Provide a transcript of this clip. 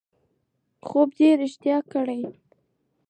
خوب دې رښتیا کړ